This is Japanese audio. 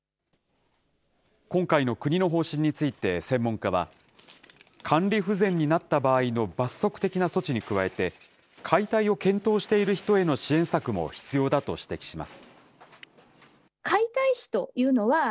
今回の国の方針について専門家は、管理不全になった場合の罰則的な措置に加えて、解体を検討している人への支援策も必要だと指摘します。